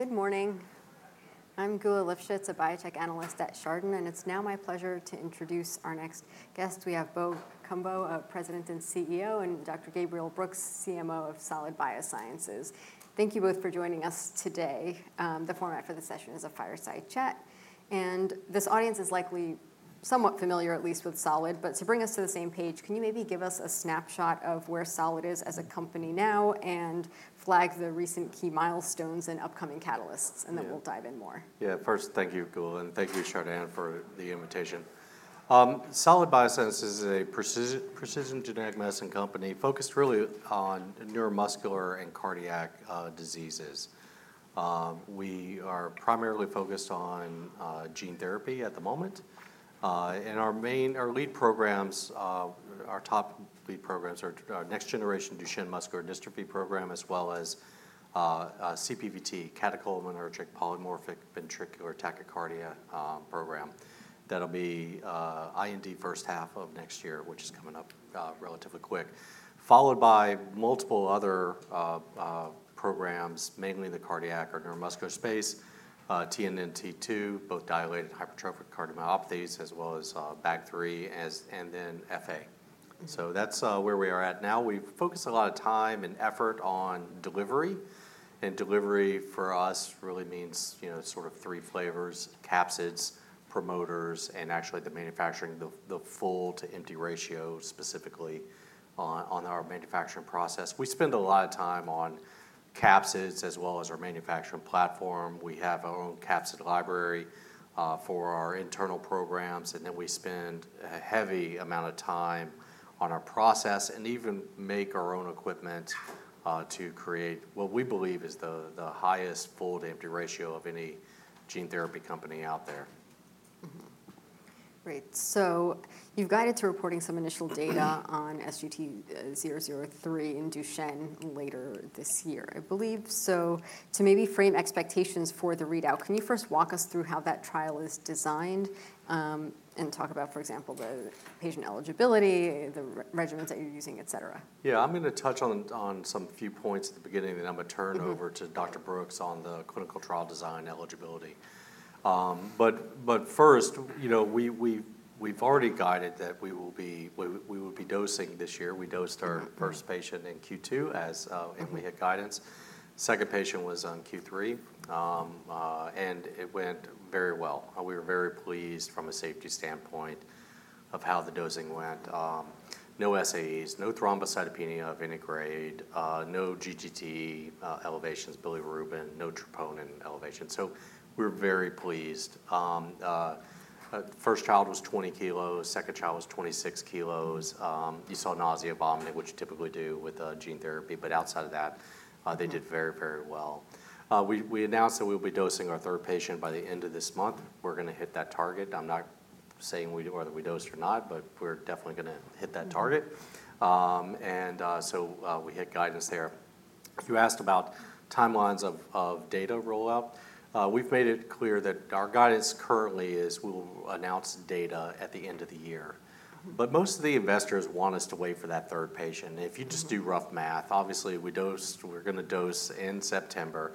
Good morning. I'm Geulah Livshits, a biotech analyst at Chardan, and it's now my pleasure to introduce our next guest. We have Bo Cumbo, our President and CEO, and Dr. Gabriel Brooks, CMO of Solid Biosciences. Thank you both for joining us today. The format for this session is a fireside chat, and this audience is likely somewhat familiar, at least with Solid, but to bring us to the same page, can you maybe give us a snapshot of where Solid is as a company now and flag the recent key milestones and upcoming catalysts, and then we'll dive in more? Yeah. First, thank you, Gula, and thank you, Chardan, for the invitation. Solid Biosciences is a precision genetic medicine company focused really on neuromuscular and cardiac diseases. We are primarily focused on gene therapy at the moment, and our main lead programs, our top lead programs are our next generation Duchenne muscular dystrophy program, as well as CPVT, catecholaminergic polymorphic ventricular tachycardia program. That'll be IND first half of next year, which is coming up relatively quick, followed by multiple other programs, mainly the cardiac or neuromuscular space, TNNT2, both dilated hypertrophic cardiomyopathies, as well as BAG3, as, and then FA. So that's where we are at now. We've focused a lot of time and effort on delivery, and delivery for us really means, you know, sort of three flavors, capsids, promoters, and actually the manufacturing, the full-to-empty ratio specifically on our manufacturing process. We spend a lot of time on capsids as well as our manufacturing platform. We have our own capsid library for our internal programs, and then we spend a heavy amount of time on our process and even make our own equipment to create what we believe is the highest full-to-empty ratio of any gene therapy company out there. Mm-hmm. Great. So you've guided to reporting some initial data on SGT-003 in Duchenne later this year. I believe so, to maybe frame expectations for the readout, can you first walk us through how that trial is designed, and talk about, for example, the patient eligibility, the regimens that you're using, etc.? Yeah, I'm gonna touch on some few points at the beginning, and then I'm gonna turn over to Dr. Brooks on the clinical trial design eligibility, but first, you know, we've already guided that we will be dosing this year. We dosed our first patient in Q2 as and we hit guidance. Second patient was on Q3, and it went very well. We were very pleased from a safety standpoint of how the dosing went. No SAEs, no thrombocytopenia of any grade, no GGT elevations, bilirubin, no troponin elevation. So we're very pleased. First child was 20 kilos, second child was 26 kilos. You saw nausea, vomiting, which you typically do with gene therapy, but outside of that, they did very, very well. We announced that we'll be dosing our third patient by the end of this month. We're gonna hit that target. I'm not saying whether we dosed or not, but we're definitely gonna hit that target. We hit guidance there. You asked about timelines of data rollout. We've made it clear that our guidance currently is we will announce data at the end of the year, but most of the investors want us to wait for that third patient. If you just do rough math, obviously, we dosed, we're gonna dose in September,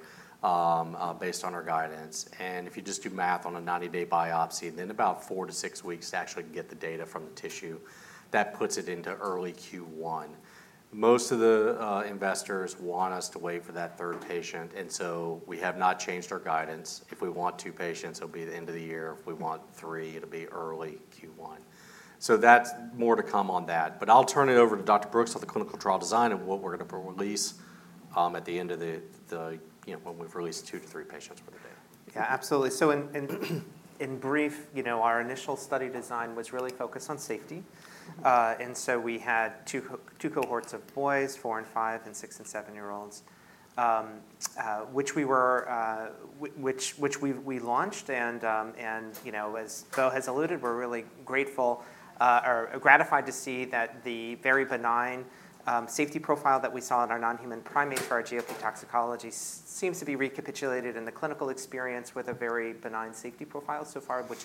based on our guidance, and if you just do math on a 90-day biopsy, and then about four to six weeks to actually get the data from the tissue, that puts it into early Q1. Most of the investors want us to wait for that third patient, and so we have not changed our guidance. If we want two patients, it'll be the end of the year. If we want three, it'll be early Q1. So that's more to come on that. But I'll turn it over to Dr. Brooks on the clinical trial design and what we're gonna release at the end of the day, you know, when we've released two to three patients. Yeah, absolutely. So in brief, you know, our initial study design was really focused on safety. And so we had two cohorts of boys, four and five and six and seven-year-olds, which we've launched, and, you know, as Beau has alluded, we're really grateful or gratified to see that the very benign safety profile that we saw in our non-human primate for our GLP toxicology seems to be recapitulated in the clinical experience with a very benign safety profile so far, which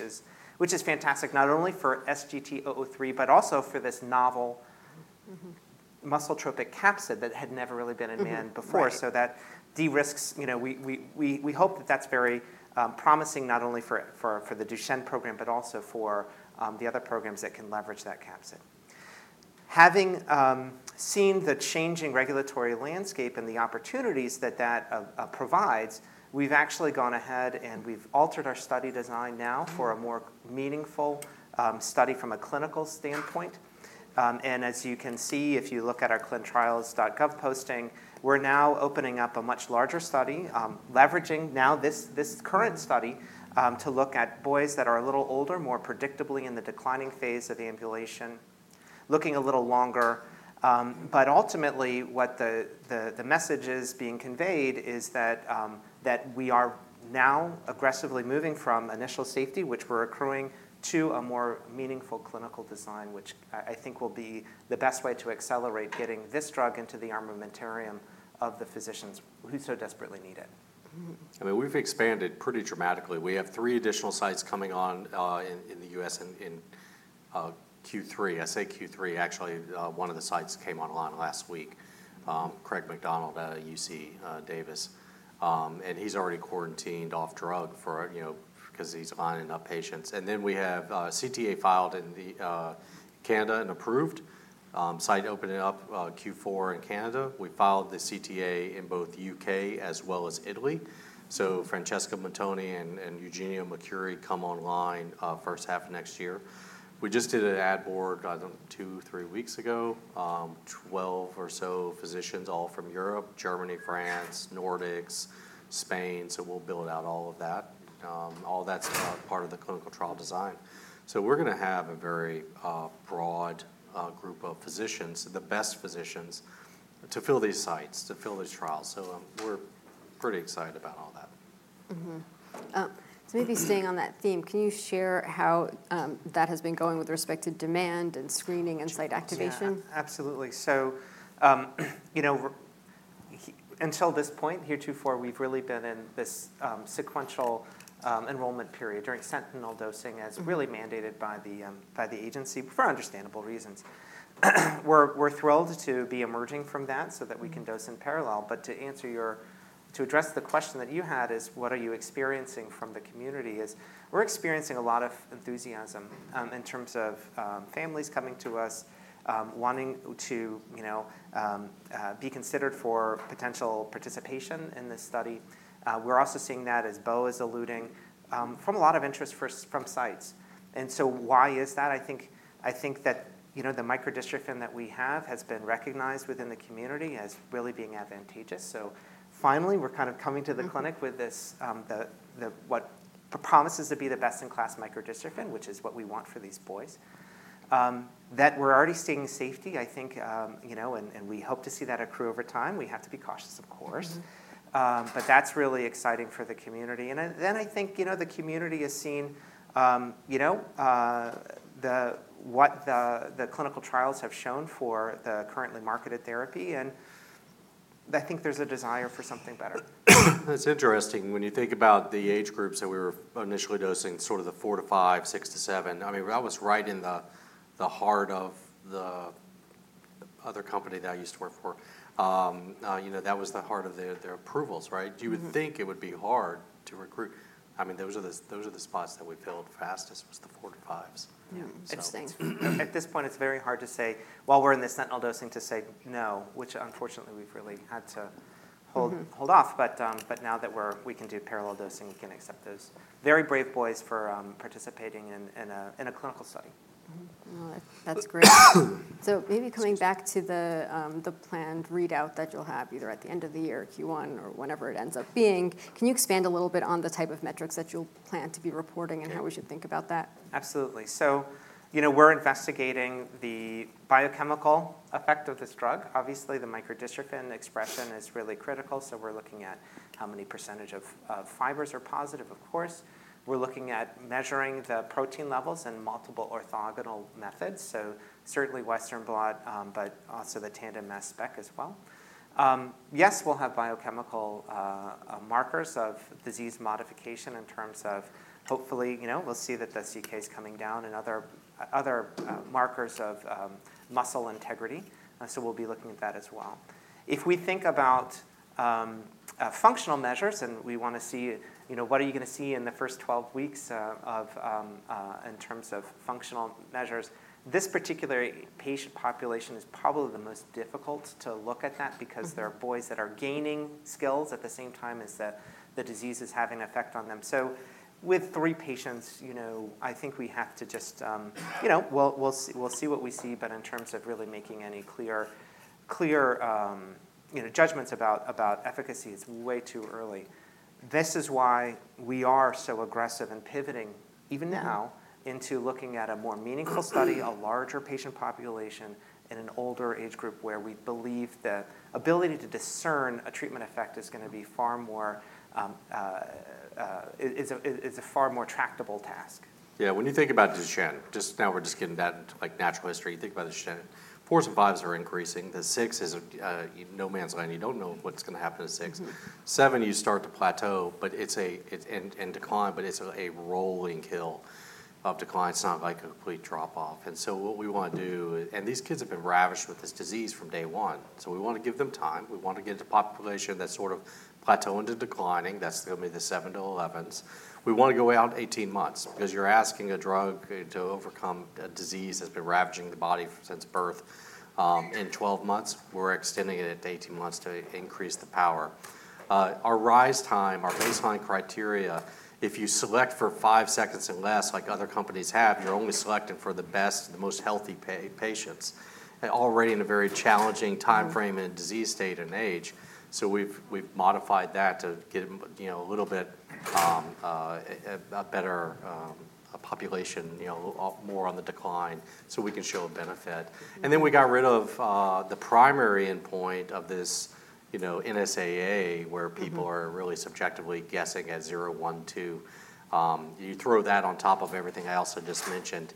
is fantastic, not only for SGT-003, but also for this novel muscle-tropic capsid that had never really been in man before, so that de-risks, you know, we hope that that's very promising not only for the Duchenne program, but also for the other programs that can leverage that capsid. Having seen the changing regulatory landscape and the opportunities that provides, we've actually gone ahead, and we've altered our study design now for a more meaningful study from a clinical standpoint, and as you can see, if you look at our clinicaltrials.gov posting, we're now opening up a much larger study, leveraging now this current study to look at boys that are a little older, more predictably in the declining phase of the ambulation, looking a little longer, but ultimately, what the message is being conveyed is that we are now aggressively moving from initial safety, which we're accruing, to a more meaningful clinical design, which I think will be the best way to accelerate getting this drug into the armamentarium of the physicians who so desperately need it. I mean, we've expanded pretty dramatically. We have three additional sites coming on in the US and in Q3. I say Q3, actually, one of the sites came online last week, Craig McDonald at UC Davis. And he's already quarantined off drug for, you know, because he's signing up patients. And then we have CTA filed in the Canada and approved. Site opening up Q4 in Canada. We filed the CTA in both U.K. as well as Italy. So Francesco Muntoni and Eugenio Mercuri come online first half of next year. We just did an ad board two or three weeks ago, 12 or so physicians, all from Europe, Germany, France, Nordics, Spain, so we'll build out all of that. All that's part of the clinical trial design. So we're gonna have a very broad group of physicians, the best physicians, to fill these sites, to fill these trials. So, we're pretty excited about all that. Mm-hmm, so maybe staying on that theme, can you share how that has been going with respect to demand and screening and site activation? Yeah. Absolutely. So, you know, we're until this point, heretofore, we've really been in this sequential enrollment period during sentinel dosing, as really mandated by the by the agency for understandable reasons. We're, we're thrilled to be emerging from that so that we can dose in parallel. But to answer your to address the question that you had is, what are you experiencing from the community? Is we're experiencing a lot of enthusiasm in terms of families coming to us wanting to, you know, be considered for potential participation in this study. We're also seeing that as Beau is alluding from a lot of interest for from sites. And so why is that? I think that, you know, the microdystrophin that we have has been recognized within the community as really being advantageous. So finally, we're kind of coming to the clinic with this, the what promises to be the best-in-class microdystrophin, which is what we want for these boys. That we're already seeing safety, I think, you know, and we hope to see that accrue over time. We have to be cautious, of course. But that's really exciting for the community. And then, I think, you know, the community has seen, you know, what the clinical trials have shown for the currently marketed therapy, and I think there's a desire for something better. It's interesting when you think about the age groups that we were initially dosing, sort of the four to five, six to seven. I mean, that was right in the heart of the other company that I used to work for. You know, that was the heart of their approvals, right? You would think it would be hard to recruit. I mean, those are the spots that we filled fastest, was the four to fives. Interesting. At this point, it's very hard to say, while we're in the sentinel dosing, to say no, which unfortunately, we've really had to hold off. But now that we can do parallel dosing, we can accept those very brave boys for participating in a clinical study. Well, that's great. So maybe coming back to the planned readout that you'll have, either at the end of the year, Q1, or whenever it ends up being, can you expand a little bit on the type of metrics that you'll plan to be reporting and how we should think about that? Absolutely. So you know, we're investigating the biochemical effect of this drug. Obviously, the microdystrophin expression is really critical, so we're looking at how many percentage of fibers are positive, of course. We're looking at measuring the protein levels in multiple orthogonal methods, so certainly Western blot, but also the tandem mass spec as well. Yes, we'll have biochemical markers of disease modification in terms of hopefully, you know, we'll see that the CK is coming down and other markers of muscle integrity, so we'll be looking at that as well. If we think about functional measures, and we wanna see, you know, what are you gonna see in the first twelve weeks in terms of functional measures, this particular patient population is probably the most difficult to look at that because they're boys that are gaining skills at the same time as the disease is having an effect on them. So with three patients, you know, I think we have to just, you know, we'll see what we see, but in terms of really making any clear judgments about efficacy, it's way too early. This is why we are so aggressive in pivoting, even now, into looking at a more meaningful study, a larger patient population in an older age group, where we believe the ability to discern a treatment effect is gonna be far more, it's a far more tractable task. Yeah, when you think about Duchenne, just now, we're just getting down into, like, natural history, you think about Duchenne, fours and fives are increasing, the six is no man's land. You don't know what's gonna happen to six, seven, you start to plateau, but it's a and decline, but it's a rolling hill of decline. It's not like a complete drop-off. And so what we wanna do, and these kids have been ravaged with this disease from day one, so we want to give them time. We want to get to the population that's sort of plateauing to declining. That's gonna be the seven to elevens. We want to go out eighteen months because you're asking a drug to overcome a disease that's been ravaging the body since birth, in twelve months. We're extending it to eighteen months to increase the power. Our rise time, our baseline criteria, if you select for five seconds or less, like other companies have, you're only selecting for the best and the most healthy patients, and already in a very challenging timeframe and disease state and age. So we've modified that to get, you know, a little bit, a better population, you know, more on the decline so we can show a benefit. And then we got rid of the primary endpoint of this, you know, NSAA, where people are really subjectively guessing at zero, one, two. You throw that on top of everything I also just mentioned.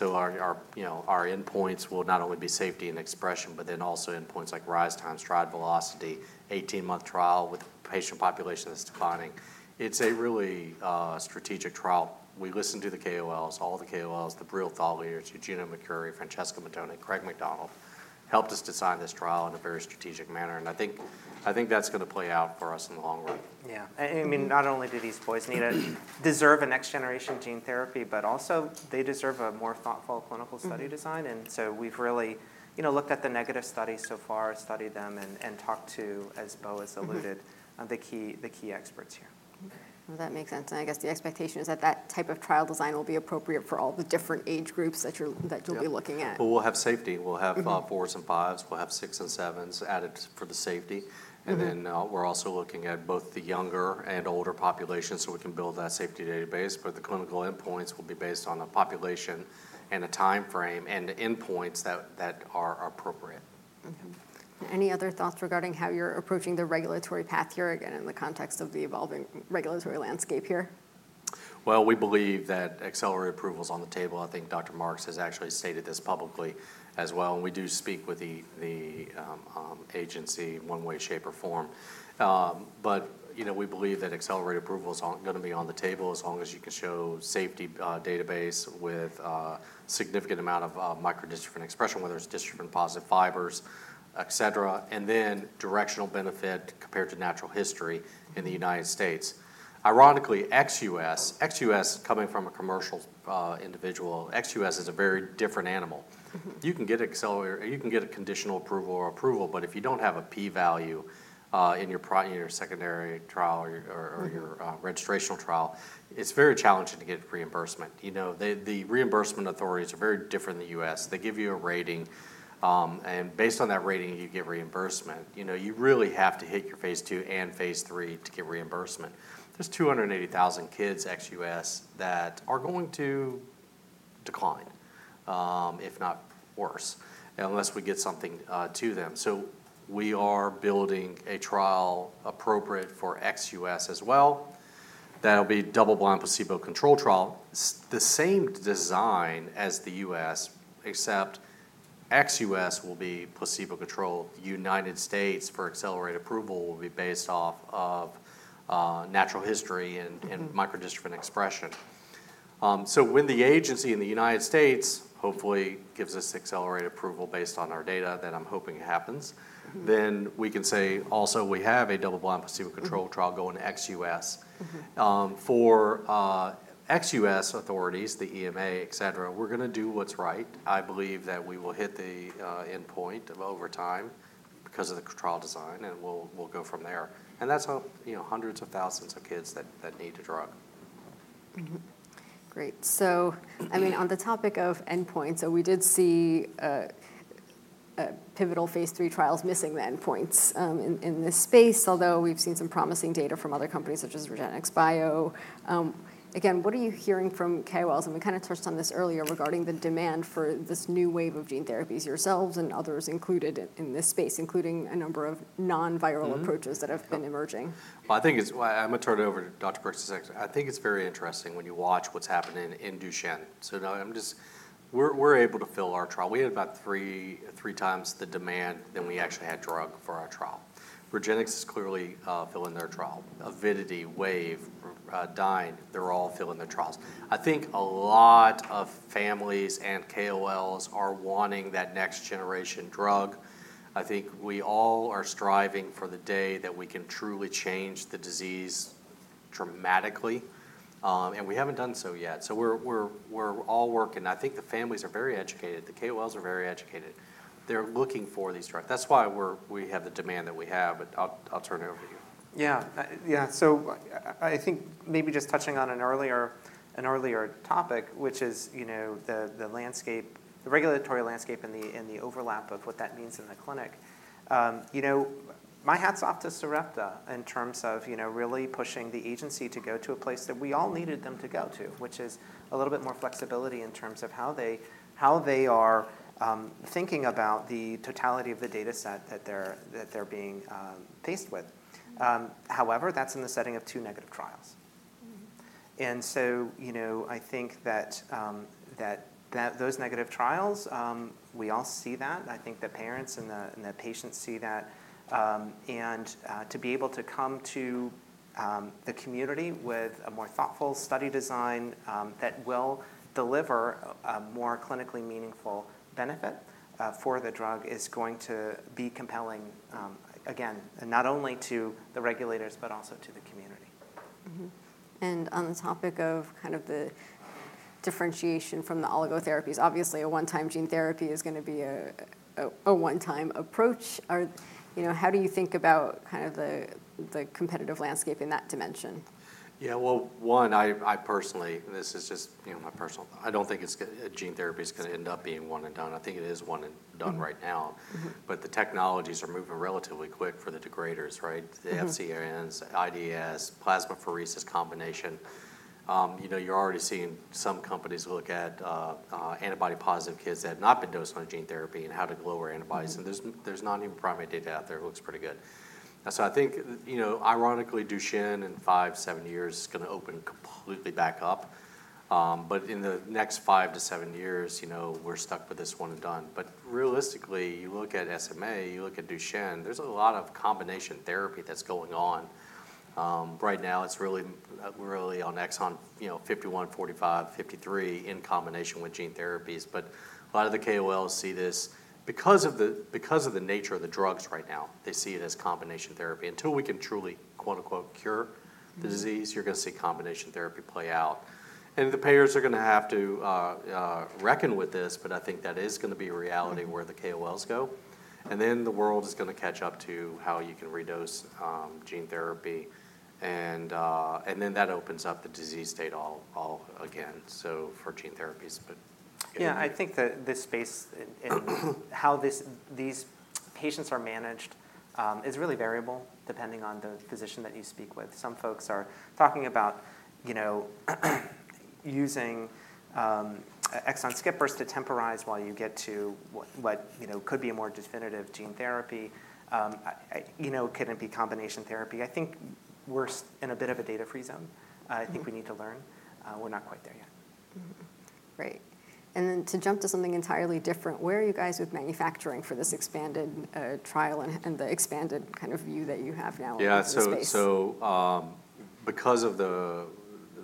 Our endpoints will not only be safety and expression, but then also endpoints like rise time, stride velocity, 18-month trial with a patient population that's declining. It's a really strategic trial. We listened to the KOLs, all the KOLs, the real thought leaders, Dr. Eugenio Mercuri, Dr. Francesco Muntoni, Craig McDonald, helped us design this trial in a very strategic manner, and I think that's going to play out for us in the long run. Yeah. I mean, not only do these boys need, deserve a next generation gene therapy, but also they deserve a more thoughtful clinical study design and so we've really, you know, looked at the negative studies so far, studied them, and talked to, as Beau has alluded the key experts here. That makes sense, and I guess the expectation is that that type of trial design will be appropriate for all the different age groups that you'll be looking at. We'll have safety. we'll have fours and fives. We'll have six and sevens added for the safety and then, we're also looking at both the younger and older populations, so we can build that safety database, but the clinical endpoints will be based on a population and a time frame and the endpoints that are appropriate. Any other thoughts regarding how you're approaching the regulatory path here, again, in the context of the evolving regulatory landscape here? We believe that accelerated approval is on the table. I think Dr. Marks has actually stated this publicly as well, and we do speak with the agency one way, shape, or form. But you know, we believe that accelerated approval is gonna be on the table as long as you can show safety database with significant amount of microdystrophin expression, whether it's dystrophin-positive fibers, etc., and then directional benefit compared to natural history in the United States. Ironically, ex-US coming from a commercial individual, ex-US is a very different animal. You can get accelerated, you can get a conditional approval or approval, but if you don't have a p-value in your secondary trial or your or your registrational trial, it's very challenging to get reimbursement. You know, the reimbursement authorities are very different in the U.S. They give you a rating, and based on that rating, you get reimbursement. You know, you really have to hit your phase II and phase III to get reimbursement. There's two hundred and eighty thousand kids, ex-U.S., that are going to decline, if not worse, unless we get something to them. So we are building a trial appropriate for ex-U.S. as well. That'll be double-blind placebo-controlled trial, the same design as the U.S., except ex-U.S. will be placebo-controlled. United States for accelerated approval will be based off of natural history and and microdystrophin expression. So when the agency in the United States hopefully gives us accelerated approval based on our data, that I'm hoping happens then we can say also we have a double-blind placebo-controlled trial going ex-U.S. For ex-US authorities, the EMA, etc., we're gonna do what's right. I believe that we will hit the endpoint of over time because of the trial design, and we'll go from there. And that's how, you know, hundreds of thousands of kids that need a drug. Mm-hmm. Great. So, I mean, on the topic of endpoints, so we did see pivotal phase III trials missing the endpoints in this space, although we've seen some promising data from other companies such as REGENXBIO. Again, what are you hearing from KOLs? And we kind of touched on this earlier regarding the demand for this new wave of gene therapies, yourselves and others included in this space, including a number of non-viral approaches that have been emerging. I'm going to turn it over to Dr. Brooks next. I think it's very interesting when you watch what's happening in Duchenne. Now we're able to fill our trial. We had about three times the demand than we actually had drug for our trial. REGENXBIO is clearly filling their trial. Avidity, Wave, Dyne, they're all filling their trials. I think a lot of families and KOLs are wanting that next-generation drug. I think we all are striving for the day that we can truly change the disease dramatically, and we haven't done so yet. We're all working. I think the families are very educated. The KOLs are very educated. They're looking for these drugs. That's why we have the demand that we have, but I'll turn it over to you. Yeah. So I think maybe just touching on an earlier topic, which is, you know, the landscape, the regulatory landscape and the overlap of what that means in the clinic. You know, my hat's off to Sarepta in terms of, you know, really pushing the agency to go to a place that we all needed them to go to, which is a little bit more flexibility in terms of how they are thinking about the totality of the data set that they're being faced with. However, that's in the setting of two negative trials. You know, I think that those negative trials we all see that. I think the parents and the patients see that, and to be able to come to the community with a more thoughtful study design that will deliver a more clinically meaningful benefit for the drug is going to be compelling, again, and not only to the regulators, but also to the community. And on the topic of kind of the differentiation from the oligotherapies, obviously, a one-time gene therapy is going to be a one-time approach. Or, you know, how do you think about kind of the competitive landscape in that dimension? Yeah, well, one. I personally, this is just, you know, my personal thought. I don't think a gene therapy is going to end up being one and done. I think it is one and done right now. But the technologies are moving relatively quick for the degraders, right? The FcRns, IdeS, plasmapheresis combination. You know, you're already seeing some companies look at antibody positive kids that have not been dosed on gene therapy and have a lower antibodies. And there's not even primary data out there. It looks pretty good. So I think, you know, ironically, Duchenne in five, seven years is gonna open completely back up. But in the next five to seven years, you know, we're stuck with this one and done. But realistically, you look at SMA, you look at Duchenne, there's a lot of combination therapy that's going on. Right now, it's really, really on exon 51, 45, 53 in combination with gene therapies. But a lot of the KOLs see this because of the nature of the drugs right now, they see it as combination therapy. Until we can truly, quote-unquote, cure the disease, you're gonna see combination therapy play out. And the payers are gonna have to reckon with this, but I think that is gonna be a reality where the KOLs go. And then the world is gonna catch up to how you can redose gene therapy, and then that opens up the disease state all again, so for gene therapies, but. Yeah, I think that this space and how these patients are managed is really variable depending on the physician that you speak with. Some folks are talking about, you know, using exon skippers to temporize while you get to what you know could be a more definitive gene therapy. I, you know, can it be combination therapy? I think we're in a bit of a data-free zone. I think we need to learn. We're not quite there yet. Great. And then to jump to something entirely different, where are you guys with manufacturing for this expanded trial and the expanded kind of view that you have now in this space? Yeah, so because of the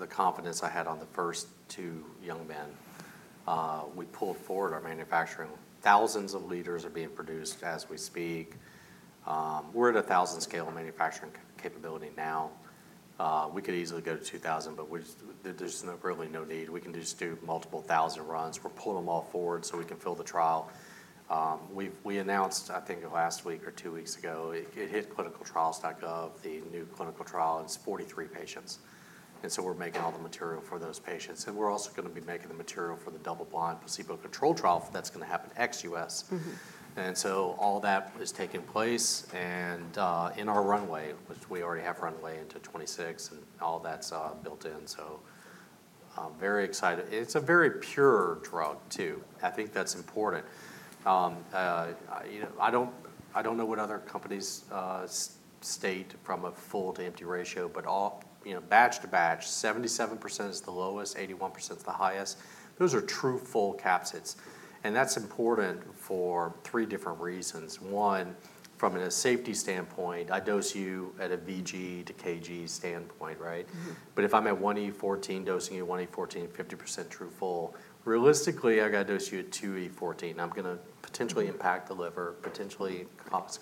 confidence I had on the first two young men, we pulled forward our manufacturing. Thousands of liters are being produced as we speak. We're at a 1,000 scale of manufacturing capability now. We could easily go to 2,000, but there's really no need. We can just do multiple 1,000 runs. We're pulling them all forward so we can fill the trial. We announced, I think last week or two weeks ago, it hit clinicaltrials.gov, the new clinical trial, and it's 43 patients. So we're making all the material for those patients, and we're also gonna be making the material for the double-blind placebo control trial that's gonna happen ex-U.S. And so all that is taking place, and, in our runway, which we already have runway into 2026, and all that's built in, so I'm very excited. It's a very pure drug, too. I think that's important. You know, I don't know what other companies state from a full-to-empty ratio, but you know, batch to batch, 77% is the lowest, 81% is the highest. Those are true full capsids, and that's important for three different reasons. One, from a safety standpoint, I dose you at a vg/kg standpoint, right? But if I'm at 1E14 vg/kg, dosing you 1E14 vg/kg, 50% true full, realistically, I got to dose you at 2E14 vg/kg. I'm gonna potentially impact the liver, potentially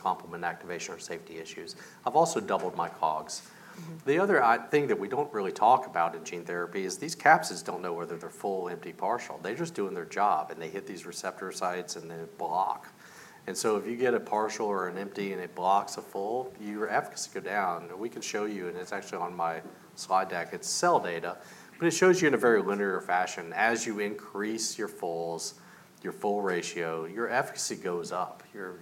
complement activation or safety issues. I've also doubled my COGS. The other thing that we don't really talk about in gene therapy is these capsids don't know whether they're full, empty, partial. They're just doing their job, and they hit these receptor sites, and they block. And so if you get a partial or an empty and it blocks a full, your efficacy go down. We can show you, and it's actually on my slide deck, it's cell data, but it shows you in a very linear fashion, as you increase your fulls, your full ratio, your efficacy goes up, your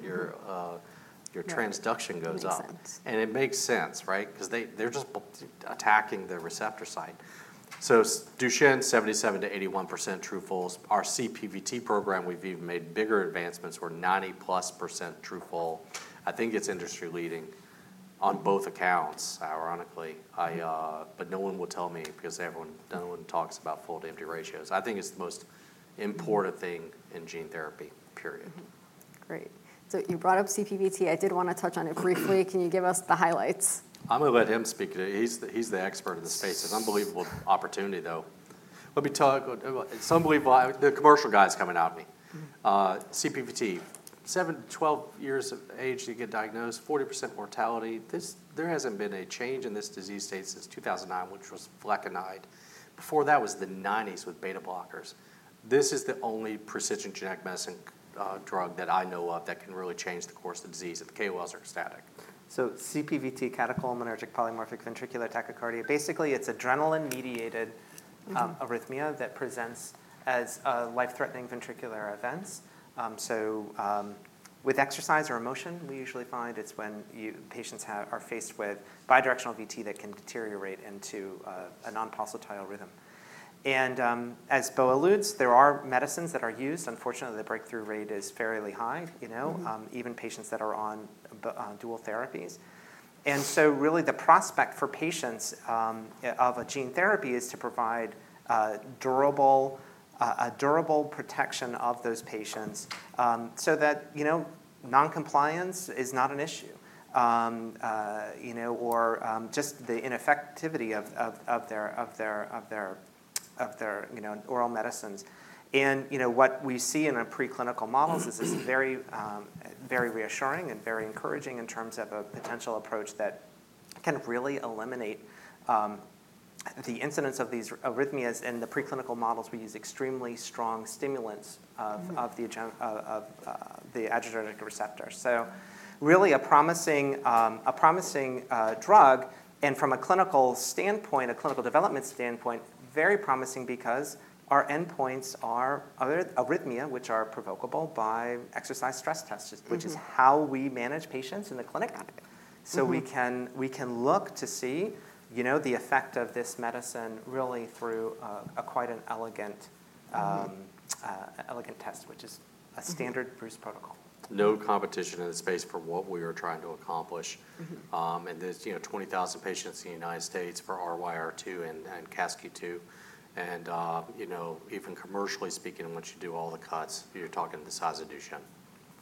transduction goes up. Makes sense. And it makes sense, right? 'Cause they're just attacking the receptor site. So Duchenne, 77%-81% true fulls. Our CPVT program, we've even made bigger advancements, we're 90+% true full. I think it's industry leading on both accounts, ironically. I, but no one will tell me because everyone, no one talks about full to empty ratios. I think it's the most important thing in gene therapy, period. Great. So you brought up CPVT. I did want to touch on it briefly. Can you give us the highlights? I'm gonna let him speak. He's the, he's the expert in the space. It's unbelievable opportunity, though. Let me talk, it's unbelievable, the commercial guy's coming out me. CPVT, seven to 12 years of age, you get diagnosed, 40% mortality. There hasn't been a change in this disease state since 2009, which was flecainide. Before that was the 1990s with beta blockers. This is the only precision genetic medicine drug that I know of that can really change the course of the disease if the KOLs are static. So, CPVT, catecholaminergic polymorphic ventricular tachycardia. Basically, it's adrenaline-mediated, arrhythmia that presents as, life-threatening ventricular events. So, with exercise or emotion, we usually find it's when patients are faced with bidirectional VT that can deteriorate into, a non-pulsatile rhythm. And, as Bo alludes, there are medicines that are used. Unfortunately, the breakthrough rate is fairly high, you know even patients that are on dual therapies. And so really the prospect for patients of a gene therapy is to provide durable, a durable protection of those patients, so that, you know, noncompliance is not an issue, you know, or just the ineffectivity of their oral medicines. And, you know, what we see in our preclinical models, this is very very reassuring and very encouraging in terms of a potential approach that can really eliminate the incidence of these arrhythmias. In the preclinical models, we use extremely strong stimulants of the adrenergic receptor. So really a promising drug, and from a clinical standpoint, a clinical development standpoint, very promising because our endpoints are arrhythmia, which are provocable by exercise stress tests which is how we manage patients in the clinic. So we can look to see, you know, the effect of this medicine really through a quite elegant test, which is a standard Bruce protocol. No competition in the space for what we are trying to accomplish. There's, you know, 20,000 patients in the United States for RYR2 and CASQ2, and you know, even commercially speaking, once you do all the cuts, you're talking the size of Duchenne.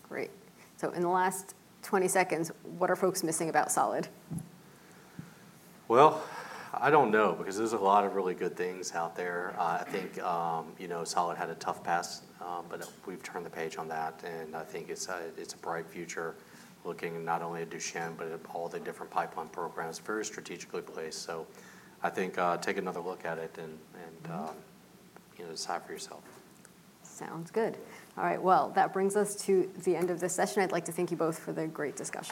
Great. So in the last 20 seconds, what are folks missing about Solid? I don't know, because there's a lot of really good things out there. I think, you know, Solid had a tough past, but we've turned the page on that, and I think it's a bright future, looking not only at Duchenne, but at all the different pipeline programs, very strategically placed. I think, take another look at it and you know, decide for yourself. Sounds good. All right, well, that brings us to the end of this session. I'd like to thank you both for the great discussion.